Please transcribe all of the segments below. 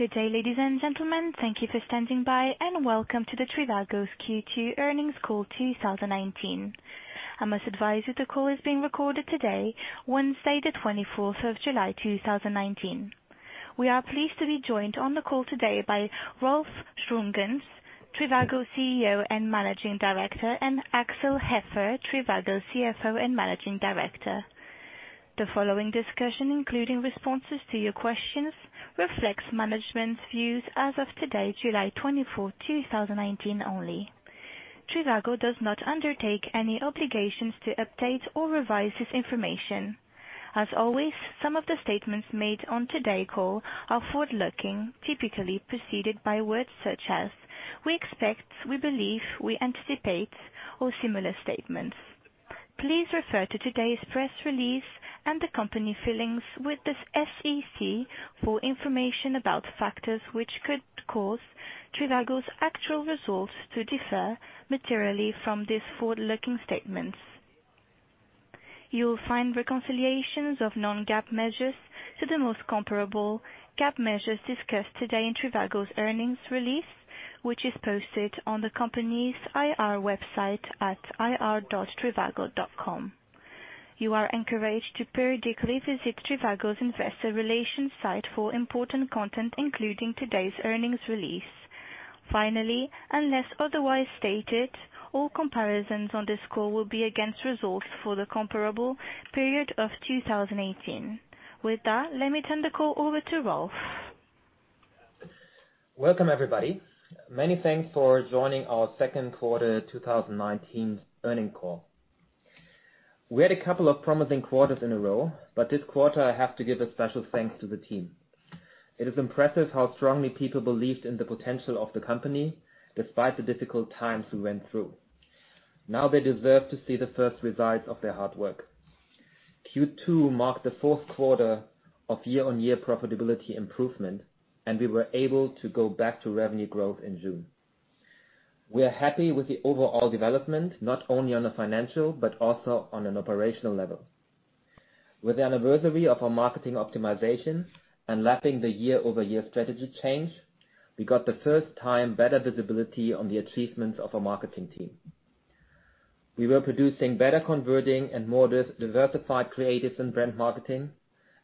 Good day, ladies and gentlemen. Thank you for standing by, and welcome to trivago's Q2 earnings call 2019. I must advise that the call is being recorded today, Wednesday, the 24th of July, 2019. We are pleased to be joined on the call today by Rolf Schrömgens, trivago CEO and Managing Director, and Axel Hefer, trivago CFO and Managing Director. The following discussion, including responses to your questions, reflects management's views as of today, July 24th, 2019 only. trivago does not undertake any obligations to update or revise this information. As always, some of the statements made on today's call are forward-looking, typically preceded by words such as "We expect," "We believe," "We anticipate," or similar statements. Please refer to today's press release and the company filings with the SEC for information about factors which could cause trivago's actual results to differ materially from these forward-looking statements. You will find reconciliations of non-GAAP measures to the most comparable GAAP measures discussed today in trivago's earnings release, which is posted on the company's IR website at ir.trivago.com. You are encouraged to periodically visit trivago's investor relations site for important content, including today's earnings release. Finally, unless otherwise stated, all comparisons on this call will be against results for the comparable period of 2018. With that, let me turn the call over to Rolf. Welcome, everybody. Many thanks for joining our second quarter 2019 earnings call. We had two promising quarters in a row, but this quarter I have to give a special thanks to the team. It is impressive how strongly people believed in the potential of the company despite the difficult times we went through. Now they deserve to see the first results of their hard work. Q2 marked the fourth quarter of year-on-year profitability improvement, and we were able to go back to revenue growth in June. We are happy with the overall development, not only on a financial but also on an operational level. With the anniversary of our marketing optimization and lapping the year-over-year strategy change, we got the first time better visibility on the achievements of our marketing team. We were producing better converting and more diversified creatives in brand marketing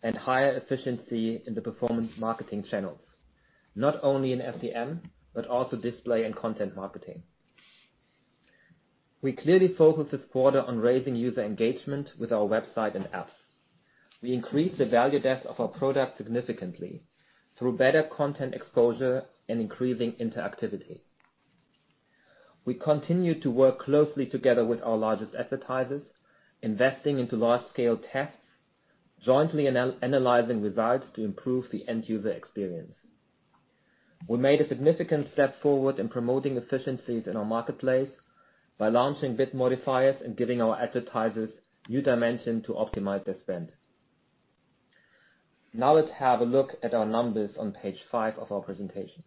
and higher efficiency in the performance marketing channels, not only in SEM, but also display and content marketing. We clearly focused this quarter on raising user engagement with our website and apps. We increased the value depth of our product significantly through better content exposure and increasing interactivity. We continued to work closely together with our largest advertisers, investing into large-scale tests, jointly analyzing results to improve the end-user experience. We made a significant step forward in promoting efficiencies in our marketplace by launching bid modifiers and giving our advertisers new dimension to optimize their spend. Let's have a look at our numbers on page five of our presentation.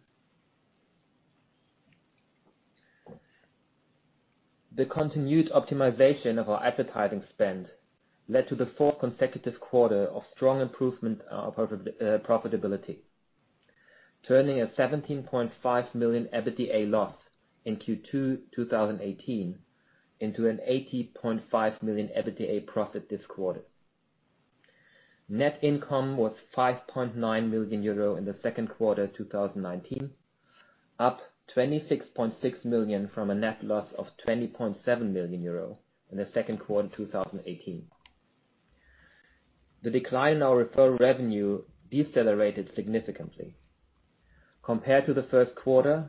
The continued optimization of our advertising spend led to the fourth consecutive quarter of strong improvement of our profitability, turning a 17.5 million EBITDA loss in Q2 2018 into a 80.5 million EBITDA profit this quarter. Net income was €5.9 million in the second quarter 2019, up 26.6 million from a net loss of €20.7 million in the second quarter 2018. The decline in our referral revenue decelerated significantly compared to the first quarter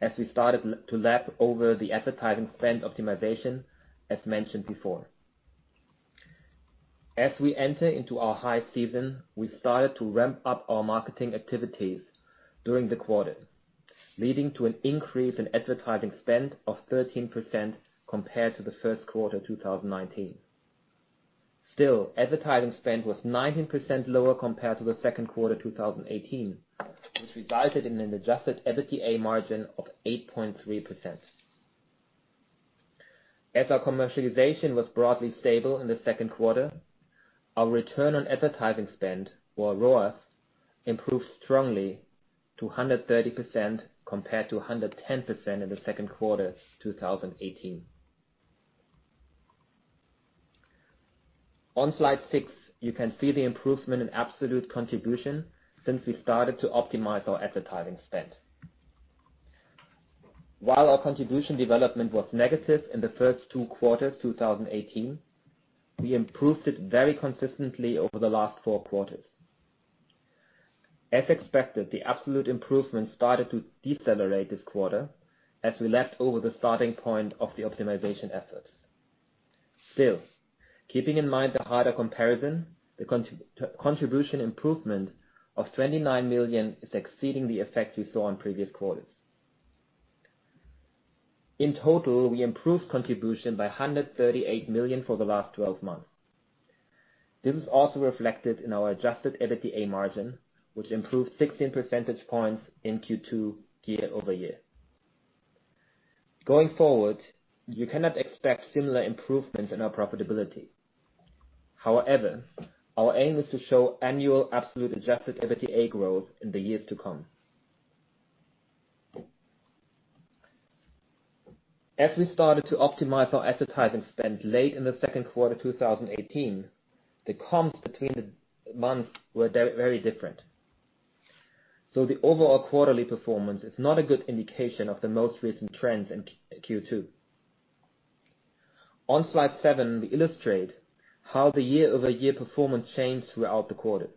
as we started to lap over the advertising spend optimization as mentioned before. As we enter into our high season, we started to ramp up our marketing activities during the quarter, leading to an increase in advertising spend of 13% compared to the first quarter 2019. Advertising spend was 19% lower compared to the second quarter 2018, which resulted in an adjusted EBITDA margin of 8.3%. As our commercialization was broadly stable in the second quarter, our return on advertising spend, or ROAS, improved strongly to 130% compared to 110% in the second quarter 2018. On slide six, you can see the improvement in absolute contribution since we started to optimize our advertising spend. While our contribution development was negative in the first two quarters 2018, we improved it very consistently over the last four quarters. As expected, the absolute improvement started to decelerate this quarter as we lapped over the starting point of the optimization efforts. Still, keeping in mind the harder comparison, the contribution improvement of 29 million is exceeding the effect we saw on previous quarters. In total, we improved contribution by 138 million for the last 12 months. This is also reflected in our adjusted EBITDA margin, which improved 16 percentage points in Q2 year-over-year. Going forward, you cannot expect similar improvements in our profitability. However, our aim is to show annual absolute adjusted EBITDA growth in the years to come. As we started to optimize our advertising spend late in the second quarter 2018, the comps between the months were very different. The overall quarterly performance is not a good indication of the most recent trends in Q2. On slide seven, we illustrate how the year-over-year performance changed throughout the quarter.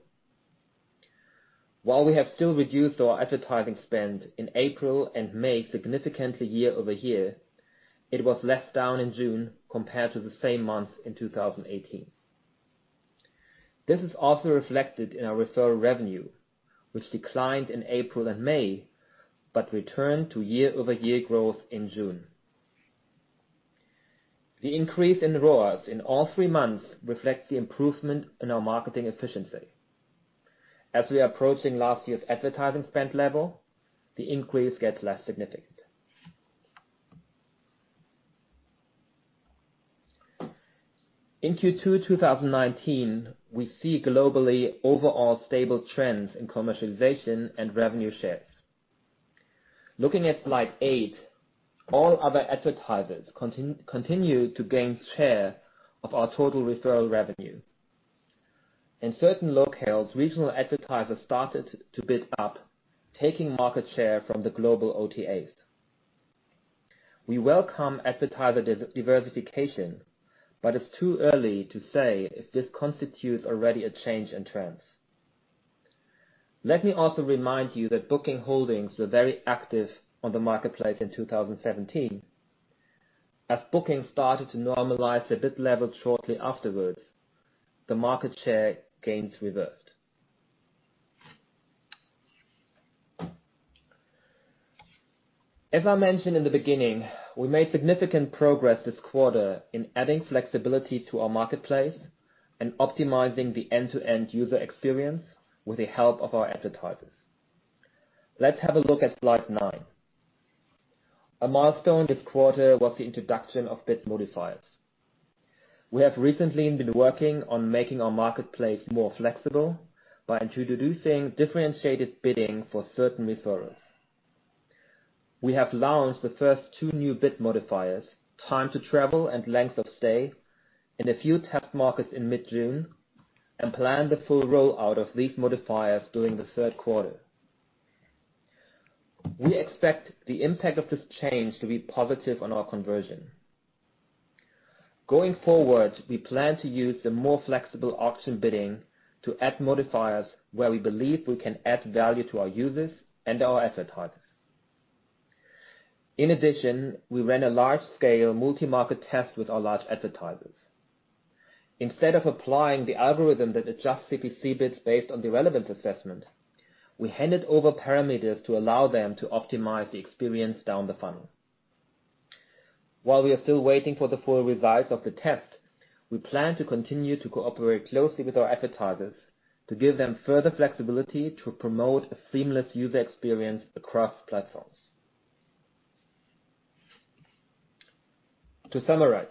While we have still reduced our advertising spend in April and May significantly year-over-year, it was less down in June compared to the same month in 2018. This is also reflected in our referral revenue, which declined in April and May, but returned to year-over-year growth in June. The increase in ROAS in all three months reflects the improvement in our marketing efficiency. As we are approaching last year's advertising spend level, the increase gets less significant. In Q2 2019, we see globally overall stable trends in commercialization and revenue shares. Looking at slide eight, all other advertisers continued to gain share of our total referral revenue. In certain locales, regional advertisers started to bid up, taking market share from the global OTAs. We welcome advertiser diversification, but it's too early to say if this constitutes already a change in trends. Let me also remind you that Booking Holdings were very active on the marketplace in 2017. As Booking started to normalize the bid level shortly afterwards, the market share gains reversed. As I mentioned in the beginning, we made significant progress this quarter in adding flexibility to our marketplace and optimizing the end-to-end user experience with the help of our advertisers. Let's have a look at slide nine. A milestone this quarter was the introduction of bid modifiers. We have recently been working on making our marketplace more flexible by introducing differentiated bidding for certain referrals. We have launched the first two new bid modifiers, time to travel and length of stay, in a few test markets in mid-June, and plan the full rollout of these modifiers during the third quarter. We expect the impact of this change to be positive on our conversion. Going forward, we plan to use the more flexible auction bidding to add modifiers where we believe we can add value to our users and our advertisers. In addition, we ran a large-scale multi-market test with our large advertisers. Instead of applying the algorithm that adjusts CPC bids based on the relevance assessment, we handed over parameters to allow them to optimize the experience down the funnel. While we are still waiting for the full results of the test, we plan to continue to cooperate closely with our advertisers to give them further flexibility to promote a seamless user experience across platforms. To summarize,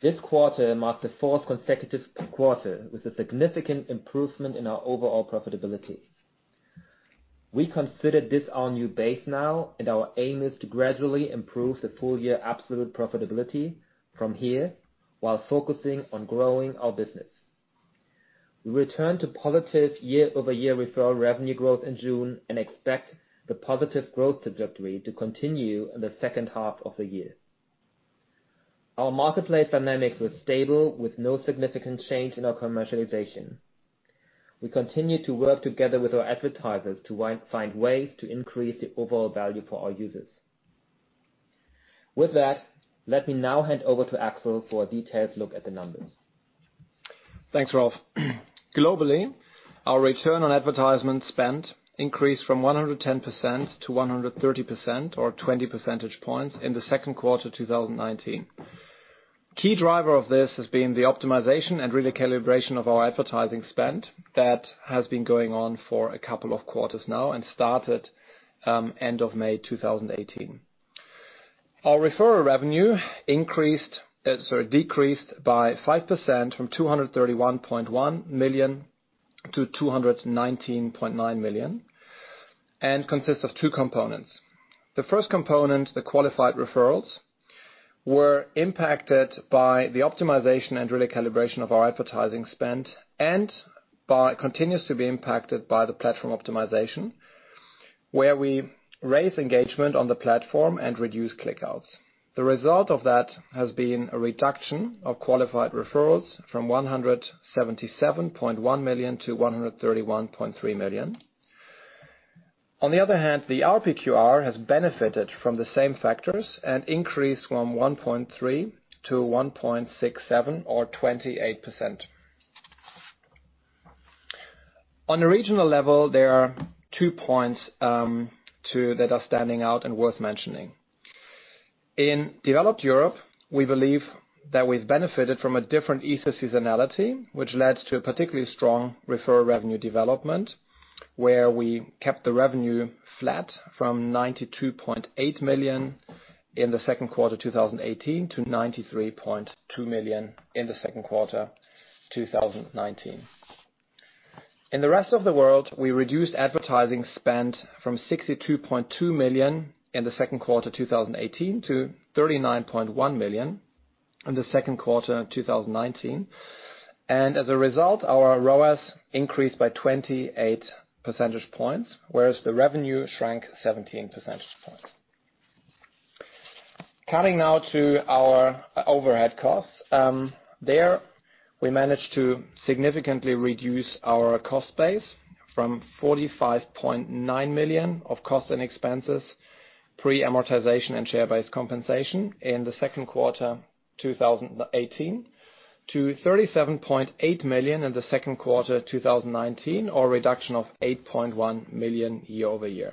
this quarter marks the fourth consecutive quarter with a significant improvement in our overall profitability. We consider this our new base now, and our aim is to gradually improve the full-year absolute profitability from here while focusing on growing our business. We return to positive year-over-year referral revenue growth in June and expect the positive growth trajectory to continue in the second half of the year. Our marketplace dynamics were stable with no significant change in our commercialization. We continue to work together with our advertisers to find ways to increase the overall value for our users. With that, let me now hand over to Axel for a detailed look at the numbers. Thanks, Rolf. Globally, our return on advertising spend increased from 110% to 130%, or 20 percentage points, in the second quarter 2019. Key driver of this has been the optimization and recalibration of our advertising spend that has been going on for a couple of quarters now and started end of May 2018. Our referral revenue decreased by 5% from 231.1 million to 219.9 million, and consists of two components. The first component, the qualified referrals, were impacted by the optimization and recalibration of our advertising spend and continues to be impacted by the platform optimization, where we raise engagement on the platform and reduce click-outs. The result of that has been a reduction of qualified referrals from 177.1 million to 131.3 million. On the other hand, the RPQR has benefited from the same factors and increased from 1.3 to 1.67, or 28%. On a regional level, there are two points that are standing out and worth mentioning. In developed Europe, we believe that we've benefited from a different Easter seasonality, which led to a particularly strong referral revenue development, where we kept the revenue flat from 92.8 million in the second quarter 2018 to 93.2 million in the second quarter 2019. In the rest of the world, we reduced advertising spend from 62.2 million in the second quarter 2018 to 39.1 million in the second quarter of 2019. As a result, our ROAS increased by 28 percentage points, whereas the revenue shrank 17 percentage points. Coming now to our overhead costs. There, we managed to significantly reduce our cost base from 45.9 million of cost and expenses pre-amortization and share-based compensation in the second quarter 2018 to 37.8 million in the second quarter 2019, or a reduction of 8.1 million year-over-year.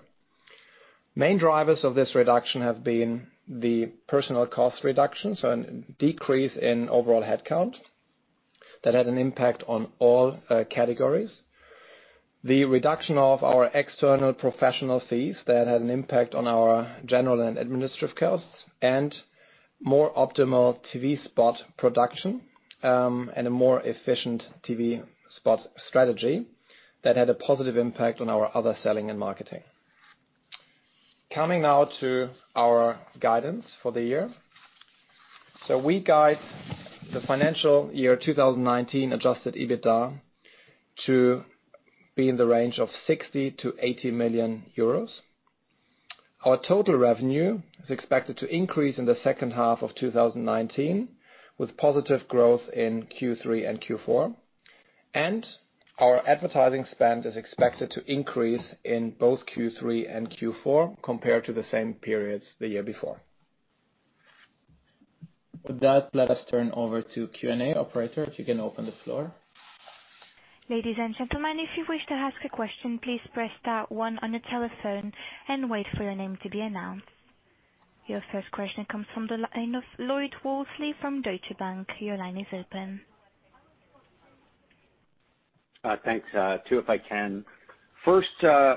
Main drivers of this reduction have been the personal cost reductions and decrease in overall headcount that had an impact on all categories. The reduction of our external professional fees that had an impact on our general and administrative costs, and more optimal TV spot production, and a more efficient TV spot strategy that had a positive impact on our other selling and marketing. Coming now to our guidance for the year. We guide the financial year 2019 adjusted EBITDA to be in the range of 60 million-80 million euros. Our total revenue is expected to increase in the second half of 2019, with positive growth in Q3 and Q4. Our advertising spend is expected to increase in both Q3 and Q4 compared to the same periods the year before. With that, let us turn over to Q&A. Operator, if you can open the floor. Ladies and gentlemen, if you wish to ask a question, please press star one on your telephone and wait for your name to be announced. Your first question comes from the line of Lloyd Walmsley from Deutsche Bank. Your line is open. Thanks. Two, if I can. First,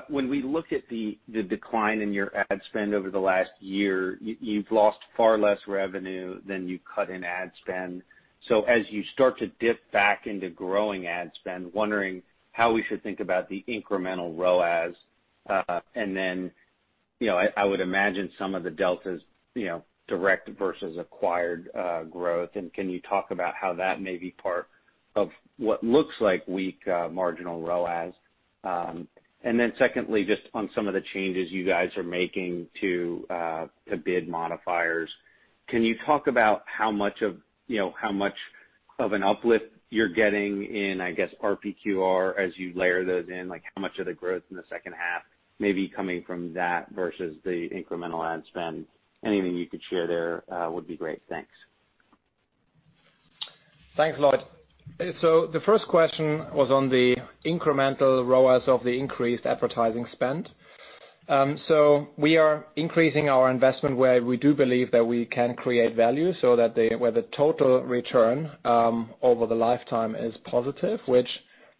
when we look at the decline in your ad spend over the last year, you've lost far less revenue than you cut in ad spend. As you start to dip back into growing ad spend, wondering how we should think about the incremental ROAS. I would imagine some of the deltas direct versus acquired growth, and can you talk about how that may be part of what looks like weak marginal ROAS? Secondly, just on some of the changes you guys are making to bid modifiers. Can you talk about how much of an uplift you're getting in, I guess, RPQR as you layer those in? How much of the growth in the second half may be coming from that versus the incremental ad spend? Anything you could share there would be great. Thanks. Thanks, Lloyd. The first question was on the incremental ROAS of the increased advertising spend. We are increasing our investment where we do believe that we can create value, so that where the total return over the lifetime is positive. Which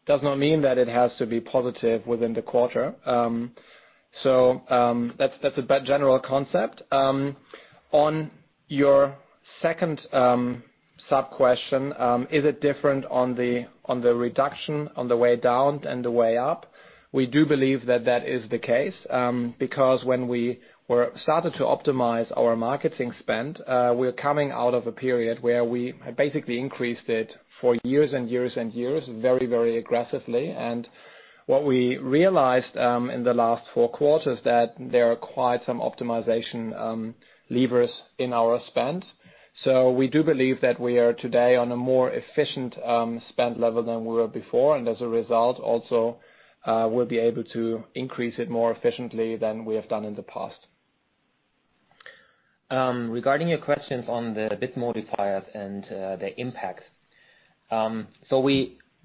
does not mean that it has to be positive within the quarter. That's the general concept. On your second sub-question, is it different on the reduction, on the way down and the way up? We do believe that that is the case, because when we started to optimize our marketing spend, we're coming out of a period where we had basically increased it for years and years and years, very, very aggressively. What we realized in the last 4 quarters, that there are quite some optimization levers in our spend. We do believe that we are today on a more efficient spend level than we were before, and as a result, also, we'll be able to increase it more efficiently than we have done in the past. Regarding your questions on the bid modifiers and their impacts.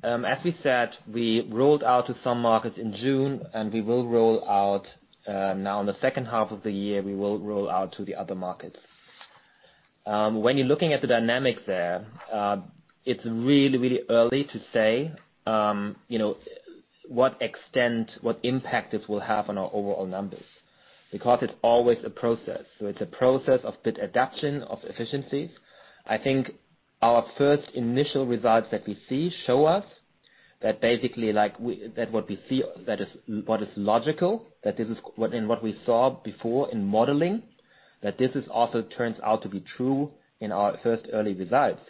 As we said, we rolled out to some markets in June, and we will roll out now in the second half of the year, we will roll out to the other markets. When you're looking at the dynamics there, it's really early to say what extent, what impact this will have on our overall numbers, because it's always a process. It's a process of bid adaption, of efficiencies. I think our first initial results that we see show us that basically, what is logical, and what we saw before in modeling, that this is also turns out to be true in our first early results,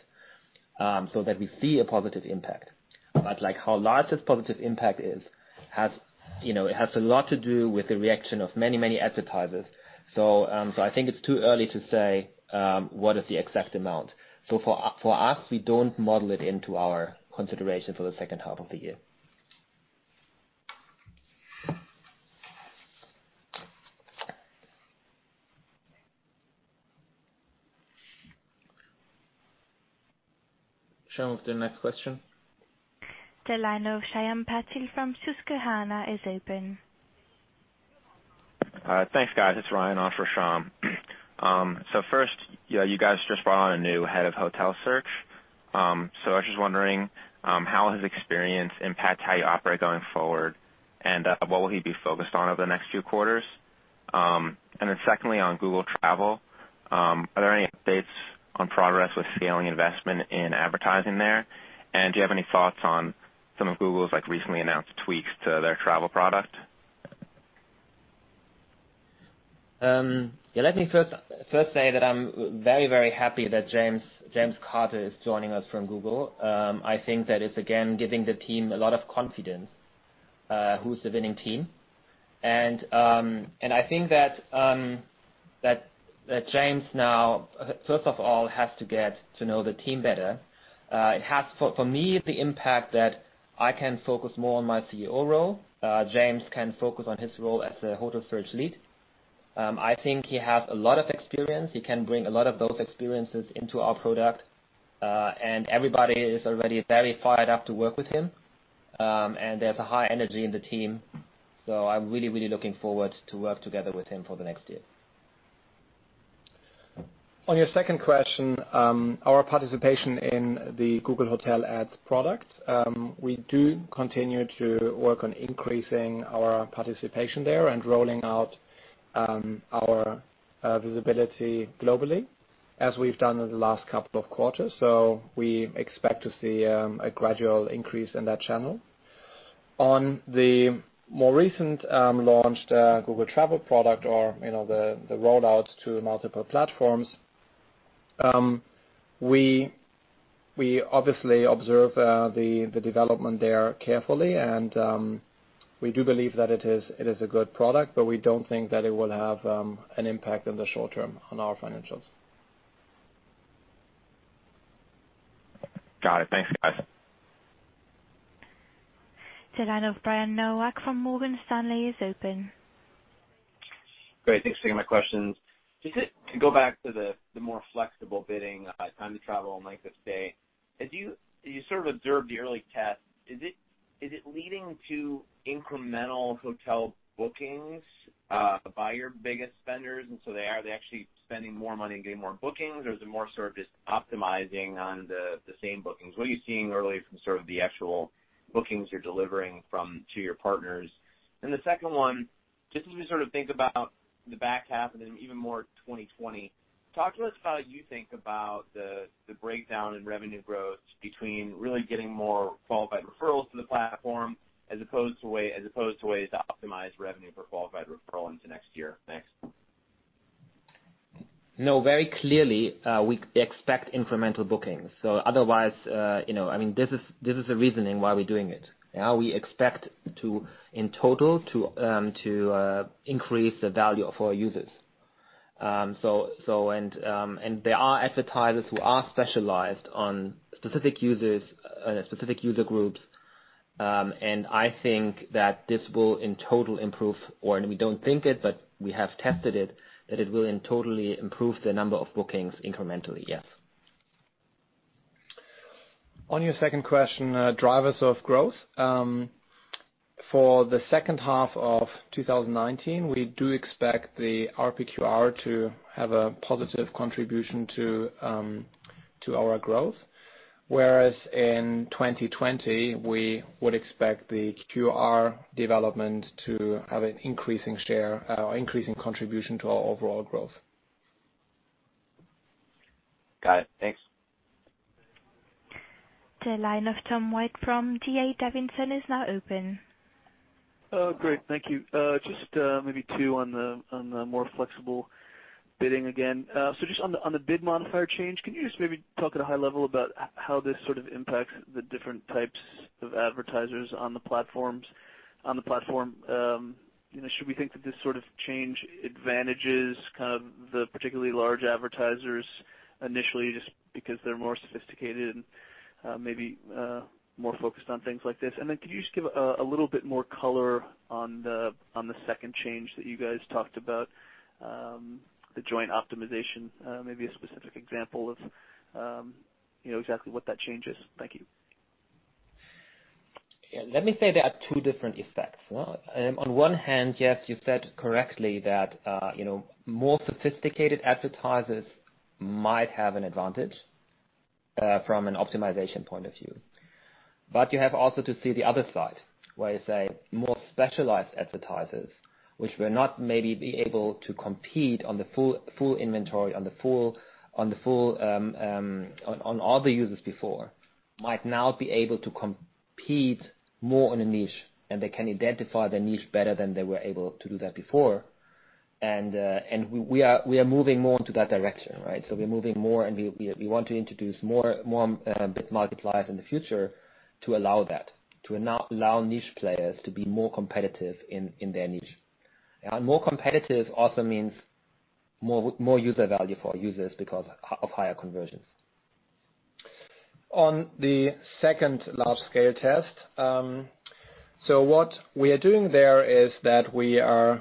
so that we see a positive impact. How large this positive impact is, it has a lot to do with the reaction of many advertisers. I think it's too early to say what is the exact amount. For us, we don't model it into our consideration for the second half of the year. Shyam, the next question. The line of Shyam Patil from Susquehanna is open. Thanks, guys. It's Ryan on for Shyam. First, you guys just brought on a new head of hotel search. I was just wondering how his experience impacts how you operate going forward, and what will he be focused on over the next few quarters? Secondly, on Google Travel, are there any updates on progress with scaling investment in advertising there? Do you have any thoughts on some of Google's recently announced tweaks to their travel product? Let me first say that I'm very, very happy that James Carter is joining us from Google. I think that it's, again, giving the team a lot of confidence, who's the winning team. I think that James now, first of all, has to get to know the team better. It has, for me, the impact that I can focus more on my CEO role. James can focus on his role as the hotel search lead. I think he has a lot of experience. He can bring a lot of those experiences into our product. Everybody is already very fired up to work with him. I'm really, really looking forward to work together with him for the next year. On your second question, our participation in the Google Hotel Ads product, we do continue to work on increasing our participation there and rolling out our visibility globally, as we've done in the last couple of quarters. We expect to see a gradual increase in that channel. On the more recent launched Google Travel product or the rollouts to multiple platforms, we obviously observe the development there carefully, and we do believe that it is a good product, but we don't think that it will have an impact in the short term on our financials. Got it. Thanks, guys. The line of Brian Nowak from Morgan Stanley is open. Thanks for taking my questions. To go back to the more flexible bidding, time to travel and length of stay. You sort of observed the early test. Is it leading to incremental hotel bookings by your biggest spenders? Are they actually spending more money and getting more bookings, or is it more sort of just optimizing on the same bookings? What are you seeing early from sort of the actual bookings you're delivering to your partners? The second one, just as we think about the back half and then even more 2020, talk to us about how you think about the breakdown in revenue growth between really getting more qualified referrals to the platform as opposed to ways to optimize revenue for qualified referral into next year. Thanks. No, very clearly, we expect incremental bookings. Otherwise, this is the reasoning why we're doing it. We expect in total to increase the value for our users. There are advertisers who are specialized on specific user groups. I think that this will in total improve, and we don't think it, but we have tested it, that it will totally improve the number of bookings incrementally, yes. On your second question, drivers of growth. For the second half of 2019, we do expect the R-PQR to have a positive contribution to our growth. In 2020, we would expect the QR development to have an increasing share or increasing contribution to our overall growth. Got it. Thanks. The line of Tom White from D.A. Davidson is now open. Oh, great. Thank you. Just maybe two on the more flexible bidding again. Just on the bid modifier change, can you just maybe talk at a high level about how this sort of impacts the different types of advertisers on the platform? Should we think that this sort of change advantages the particularly large advertisers initially just because they're more sophisticated and maybe more focused on things like this? Then could you just give a little bit more color on the second change that you guys talked about, the joint optimization, maybe a specific example of exactly what that change is. Thank you. Yeah. Let me say there are two different effects. On one hand, yes, you said correctly that more sophisticated advertisers might have an advantage from an optimization point of view. You have also to see the other side, where you say more specialized advertisers, which will not maybe be able to compete on the full inventory, on all the users before, might now be able to compete more on a niche, and they can identify their niche better than they were able to do that before. We are moving more into that direction, right? We're moving more, and we want to introduce more bid multipliers in the future to allow that, to allow niche players to be more competitive in their niche. More competitive also means more user value for our users because of higher conversions. On the second large-scale test- What we are doing there is that we are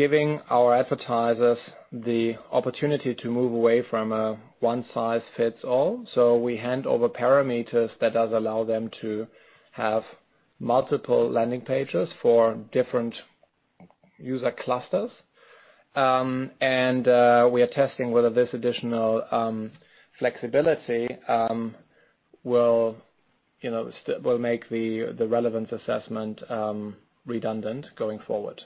giving our advertisers the opportunity to move away from a one size fits all. We hand over parameters that does allow them to have multiple landing pages for different user clusters. We are testing whether this additional flexibility will make the relevance assessment redundant going forward.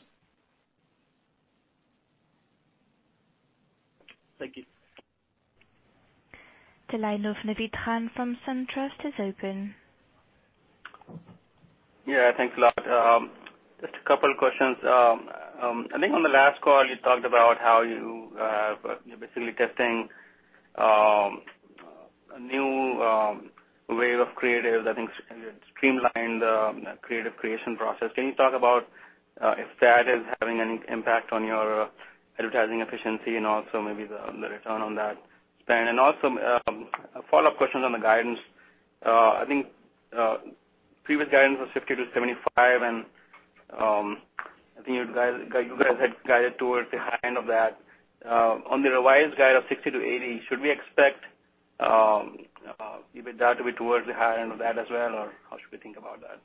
Thank you. The line of Naved Khan from SunTrust is open. Yeah, thanks a lot. Just a couple of questions. I think on the last call, you talked about how you're basically testing a new wave of creative. I think you streamlined the creative creation process. Can you talk about if that is having any impact on your advertising efficiency and also maybe the return on that spend? Also, a follow-up question on the guidance. I think previous guidance was 50-75, and I think you guys had guided towards the high end of that. On the revised guide of 60-80, should we expect that to be towards the high end of that as well, or how should we think about that?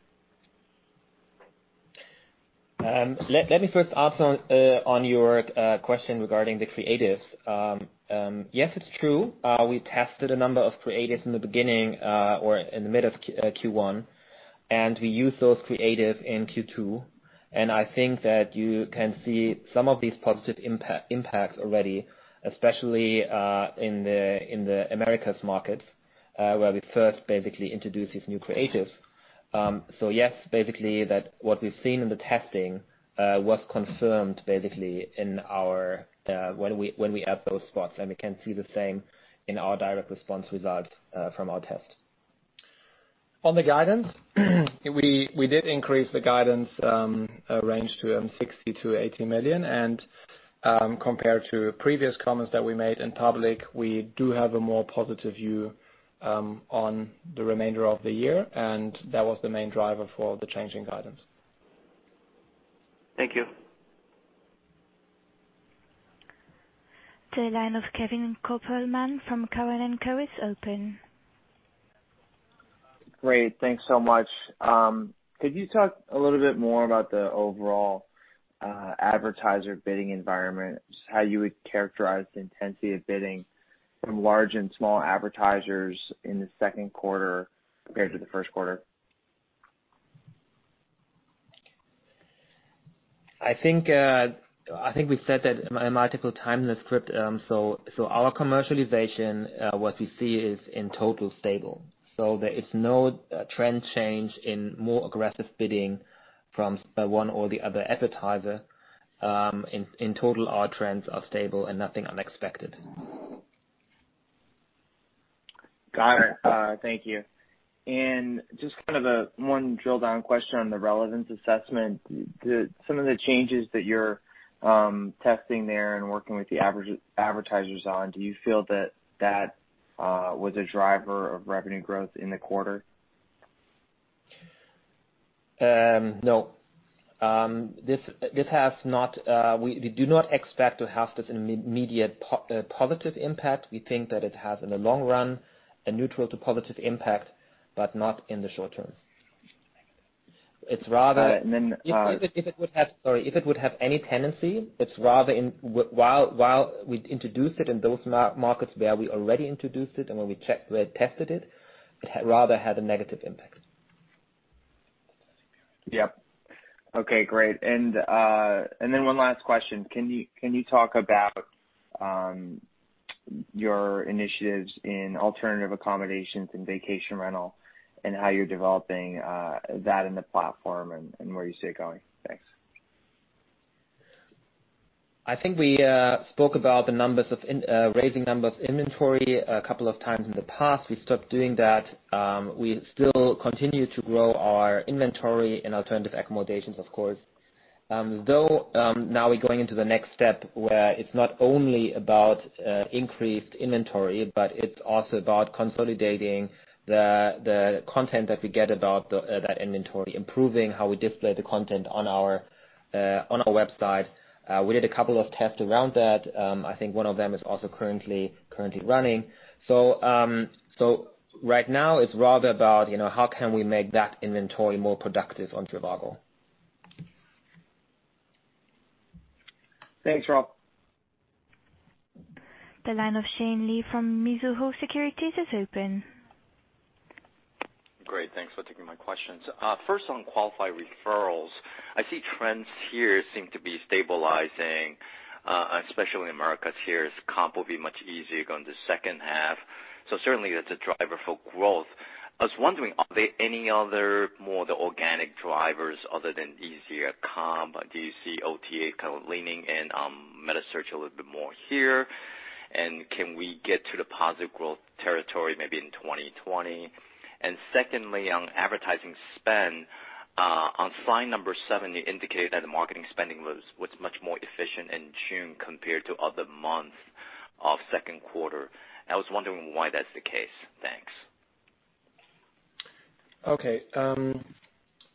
Let me first answer on your question regarding the creatives. Yes, it's true. We tested a number of creatives in the beginning or in the middle of Q1, and we used those creatives in Q2. I think that you can see some of these positive impacts already, especially in the Americas markets, where we first basically introduced these new creatives. Yes, basically, what we've seen in the testing was confirmed basically when we add those spots, and we can see the same in our direct response results from our test. On the guidance, we did increase the guidance range to 60 million-80 million. Compared to previous comments that we made in public, we do have a more positive view on the remainder of the year, and that was the main driver for the change in guidance. Thank you. The line of Kevin Kopelman from Cowen & Co is open. Great. Thanks so much. Could you talk a little bit more about the overall advertiser bidding environment, how you would characterize the intensity of bidding from large and small advertisers in the second quarter compared to the first quarter? I think we said that a multiple time in the script. Our commercialization, what we see is in total stable. There is no trend change in more aggressive bidding from one or the other advertiser. In total, our trends are stable and nothing unexpected. Got it. Thank you. Just one drill-down question on the relevance assessment. Some of the changes that you're testing there and working with the advertisers on, do you feel that that was a driver of revenue growth in the quarter? No. We do not expect to have this immediate positive impact. We think that it has, in the long run, a neutral to positive impact, but not in the short term. And then- Sorry. If it would have any tendency, while we introduce it in those markets where we already introduced it and where we tested it rather had a negative impact. Yep. Okay, great. One last question. Can you talk about your initiatives in alternative accommodations and vacation rental, and how you're developing that in the platform and where you see it going? Thanks. I think we spoke about raising number of inventory a couple of times in the past. We stopped doing that. We still continue to grow our inventory in alternative accommodations, of course. Now we're going into the next step where it's not only about increased inventory, but it's also about consolidating the content that we get about that inventory, improving how we display the content on our website. We did a couple of tests around that. I think one of them is also currently running. Right now, it's rather about how can we make that inventory more productive on trivago. Thanks, Rolf. The line of Shane Lee from Mizuho Securities is open. Great. Thanks for taking my questions. First, on qualified referrals, I see trends here seem to be stabilizing, especially in Americas. Here, comp will be much easier going into the second half. Certainly, that's a driver for growth. I was wondering, are there any other more organic drivers other than easier comp? Do you see OTA kind of leaning in on metasearch a little bit more here? Can we get to the positive growth territory maybe in 2020? Secondly, on advertising spend. On slide 7, you indicated that the marketing spending was much more efficient in June compared to other months of second quarter. I was wondering why that's the case. Thanks. Okay.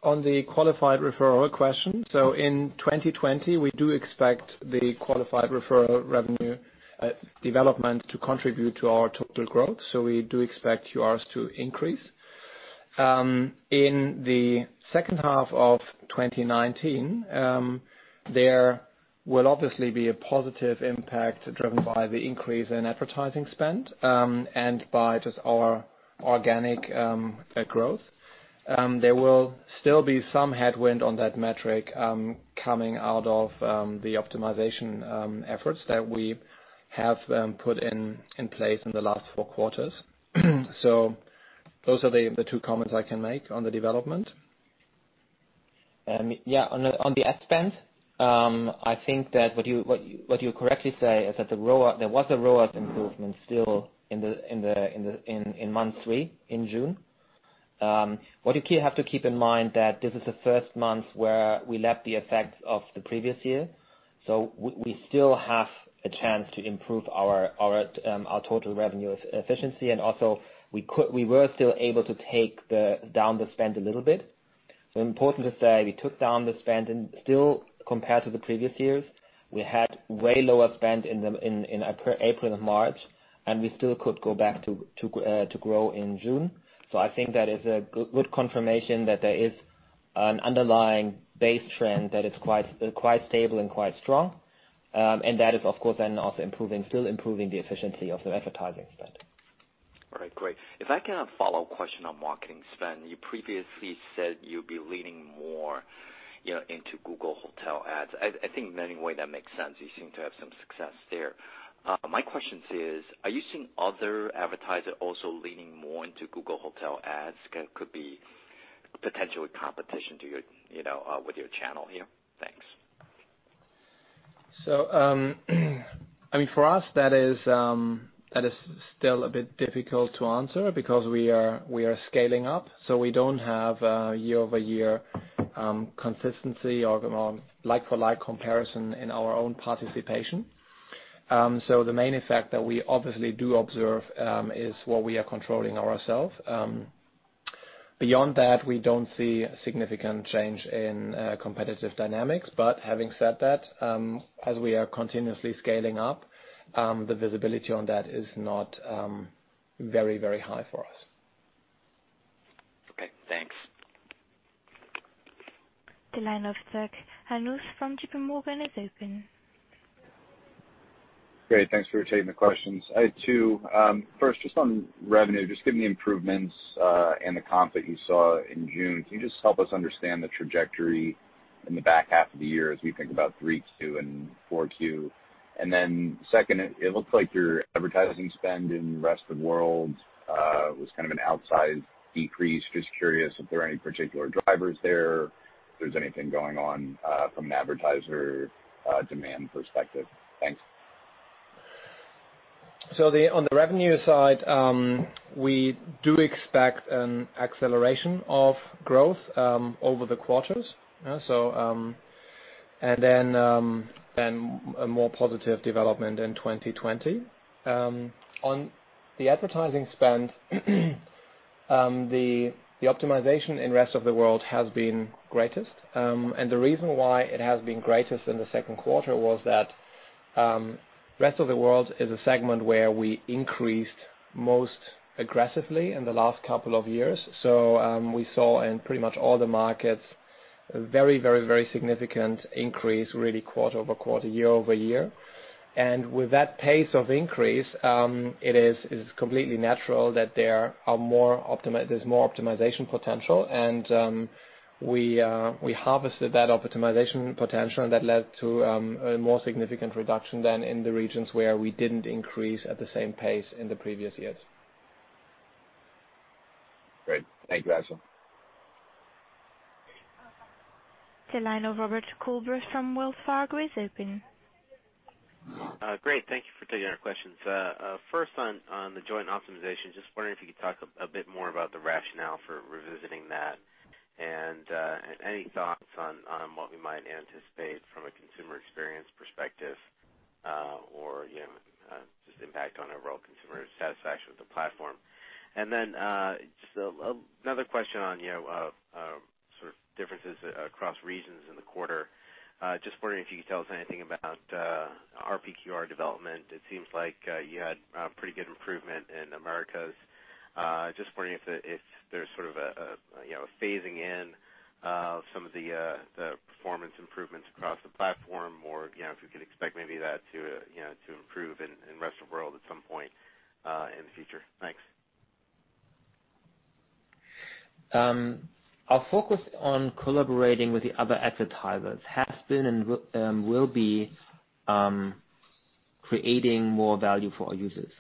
On the qualified referral question, in 2020, we do expect the qualified referral revenue development to contribute to our total growth, so we do expect QR to increase. In the second half of 2019, there will obviously be a positive impact driven by the increase in advertising spend, and by just our organic growth. There will still be some headwind on that metric coming out of the optimization efforts that we have put in place in the last 4 quarters. Those are the two comments I can make on the development. On the ad spend, I think that what you correctly say is that there was a ROAS improvement still in month three, in June. What you have to keep in mind that this is the first month where we left the effects of the previous year, so we still have a chance to improve our total revenue efficiency, and also we were still able to take down the spend a little bit. Important to say, we took down the spend and still compared to the previous years, we had way lower spend in April and March, and we still could go back to grow in June. I think that is a good confirmation that there is an underlying base trend that is quite stable and quite strong. That is, of course, then also still improving the efficiency of the advertising spend. All right, great. If I can have a follow-up question on marketing spend. You previously said you'd be leaning more into Google Hotel Ads. I think in many way that makes sense. You seem to have some success there. My question is, are you seeing other advertisers also leaning more into Google Hotel Ads, could be potentially competition with your channel here? Thanks. For us, that is still a bit difficult to answer because we are scaling up, so we don't have a year-over-year consistency or like-for-like comparison in our own participation. The main effect that we obviously do observe is what we are controlling ourselves. Beyond that, we don't see a significant change in competitive dynamics. Having said that, as we are continuously scaling up, the visibility on that is not very high for us. Okay, thanks. The line of Zack Hannus from JPMorgan is open. Great. Thanks for taking the questions. I have two. First, just on revenue, just given the improvements, and the comp that you saw in June, can you just help us understand the trajectory in the back half of the year as we think about 3Q and 4Q? Second, it looks like your advertising spend in the rest of world was an outsized decrease. Just curious if there are any particular drivers there, if there's anything going on from an advertiser demand perspective. Thanks. On the revenue side, we do expect an acceleration of growth over the quarters. Then a more positive development in 2020. On the advertising spend, the optimization in rest of the world has been greatest. The reason why it has been greatest in the second quarter was that rest of the world is a segment where we increased most aggressively in the last couple of years. We saw in pretty much all the markets a very significant increase, really quarter-over-quarter, year-over-year. With that pace of increase, it is completely natural that there's more optimization potential. We harvested that optimization potential, and that led to a more significant reduction than in the regions where we didn't increase at the same pace in the previous years. Great. Thank you. The line of Robert Coolbrith from Wells Fargo is open. Great. Thank you for taking our questions. First on the joint optimization, just wondering if you could talk a bit more about the rationale for revisiting that, and any thoughts on what we might anticipate from a consumer experience perspective, or just impact on overall consumer satisfaction with the platform. Just another question on sort of differences across regions in the quarter. Just wondering if you could tell us anything about RPQR development. It seems like you had a pretty good improvement in Americas. Just wondering if there's a phasing in of some of the performance improvements across the platform or if we could expect maybe that to improve in Rest of World at some point in the future. Thanks. Our focus on collaborating with the other advertisers has been and will be creating more value for our users.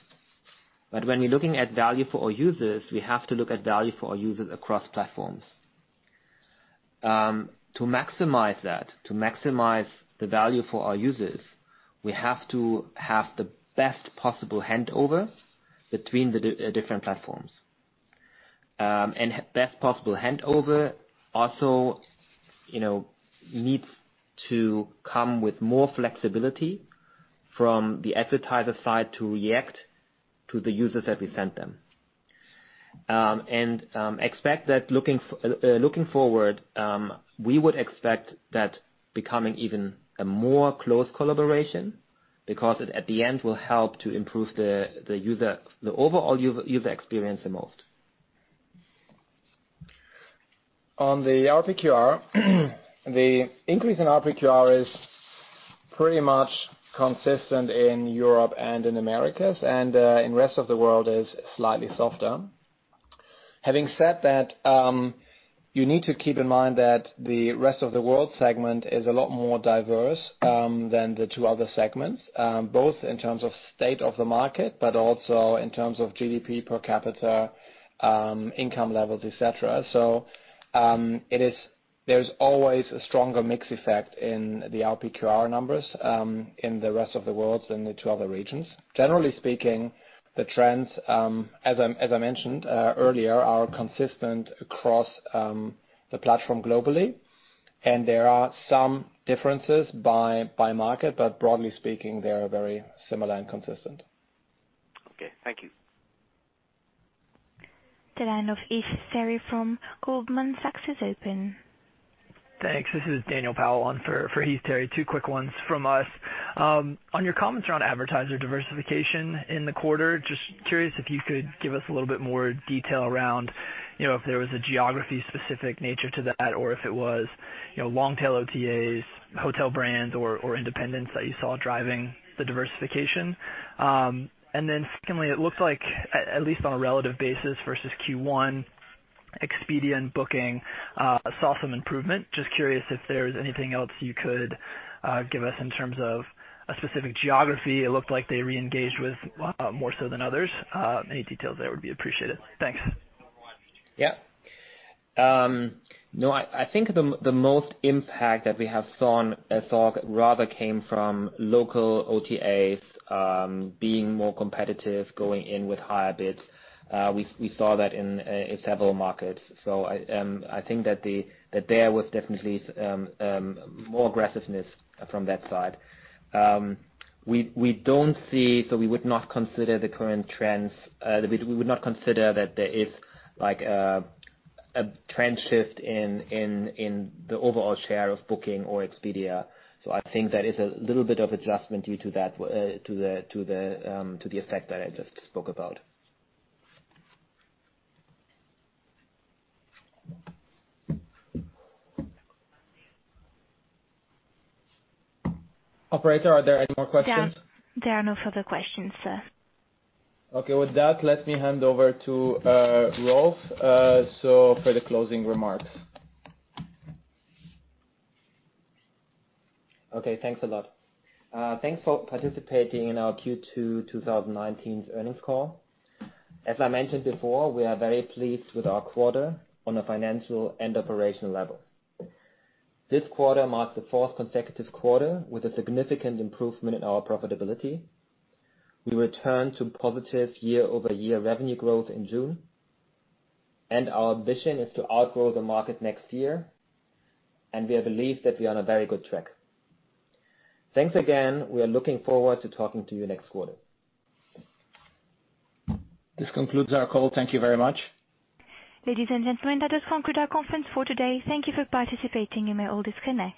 When we're looking at value for our users, we have to look at value for our users across platforms. To maximize that, to maximize the value for our users, we have to have the best possible handover between the different platforms. Best possible handover also needs to come with more flexibility from the advertiser side to react to the users that we sent them. Looking forward, we would expect that becoming even a more close collaboration because it, at the end, will help to improve the overall user experience the most. On the RPQR, the increase in RPQR is pretty much consistent in Europe and in Americas, and in rest of the world is slightly softer. Having said that, you need to keep in mind that the rest of the world segment is a lot more diverse than the two other segments, both in terms of state of the market, but also in terms of GDP per capita, income levels, et cetera. There's always a stronger mix effect in the RPQR numbers in the rest of the world than the two other regions. Generally speaking, the trends, as I mentioned earlier, are consistent across the platform globally, and there are some differences by market, but broadly speaking, they are very similar and consistent. Okay, thank you. The line of Heath Terry from Goldman Sachs is open. Thanks. This is Daniel Powell on for Heath Terry. Two quick ones from us. On your comments around advertiser diversification in the quarter, just curious if you could give us a little bit more detail around if there was a geography-specific nature to that or if it was long-tail OTAs, hotel brands or independents that you saw driving the diversification. Secondly, it looks like at least on a relative basis versus Q1, Expedia and Booking saw some improvement. Just curious if there's anything else you could give us in terms of a specific geography it looked like they re-engaged with more so than others. Any details there would be appreciated. Thanks. Yeah. No, I think the most impact that we have saw rather came from local OTAs being more competitive, going in with higher bids. We saw that in several markets. I think that there was definitely more aggressiveness from that side. We would not consider that there is a trend shift in the overall share of Booking or Expedia. I think there is a little bit of adjustment due to the effect that I just spoke about. Operator, are there any more questions? There are no further questions, sir. With that, let me hand over to Rolf for the closing remarks. Okay, thanks a lot. Thanks for participating in our Q2 2019's earnings call. As I mentioned before, we are very pleased with our quarter on a financial and operational level. This quarter marks the fourth consecutive quarter with a significant improvement in our profitability. We returned to positive year-over-year revenue growth in June. Our ambition is to outgrow the market next year. We believe that we are on a very good track. Thanks again. We are looking forward to talking to you next quarter. This concludes our call. Thank you very much. Ladies and gentlemen, that does conclude our conference for today. Thank you for participating. You may all disconnect.